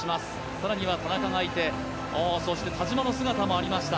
更には田中がいて田嶋の姿もありました。